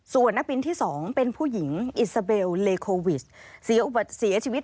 ส่วนนักบินที่๒เป็นผู้หญิงเอริซาเบลเลโควิดสีอาดชีวิตในุบัติเหตุ